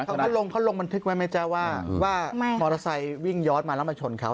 เขาเข้าลงเข้าลงบันทึกไว้ไหมจ้าว่าว่าไม่มอเตอร์ไซค์วิ่งยอดมาแล้วมาชนเขา